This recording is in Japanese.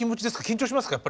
緊張しますか？